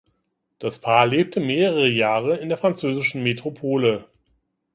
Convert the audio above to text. Das Paar lebte mehrere Jahre in der französischen Metropole.